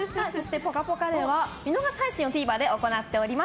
「ぽかぽか」では見逃し配信をＴＶｅｒで行っています。